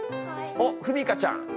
おっふみかちゃん。